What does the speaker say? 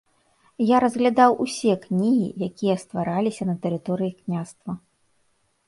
Я разглядаў усе кнігі, якія ствараліся на тэрыторыі княства.